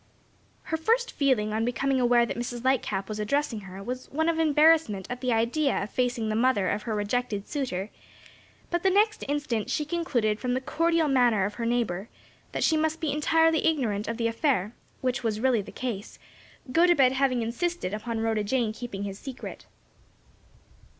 Her first feeling on becoming aware that Mrs. Lightcap was addressing her was one of embarrassment at the idea of facing the mother of her rejected suitor; but the next instant she concluded from the cordial manner of her neighbor, that she must be entirely ignorant of the affair, which was really the case; Gotobed having insisted upon Rhoda Jane keeping his secret.